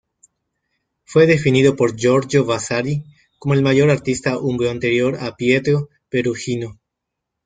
Fue definido por Giorgio Vasari como el mayor artista umbro anterior a Pietro Perugino.